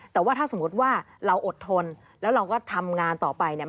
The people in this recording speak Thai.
แต่ว่าถ้าสมมุติว่าเราอดทนแล้วเราก็ทำงานต่อไปเนี่ย